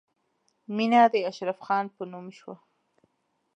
مینه د اشرف خان په نوم شوه